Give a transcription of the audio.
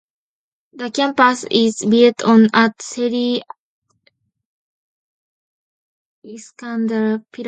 The campus is built on at Seri Iskandar, Perak, Malaysia.